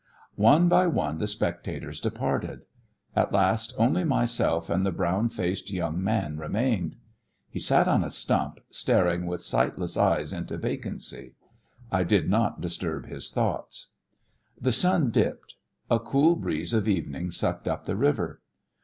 One by one the spectators departed. At last only myself and the brown faced young man remained. He sat on a stump, staring with sightless eyes into vacancy. I did not disturb his thoughts. The sun dipped. A cool breeze of evening sucked up the river.